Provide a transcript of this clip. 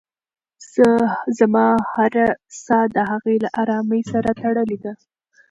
زما هره ساه د هغې له ارامۍ سره تړلې ده.